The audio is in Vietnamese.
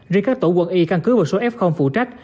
riêng các tổ quân y căn cứ vào số f phụ trách